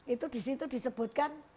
itu di situ disebutkan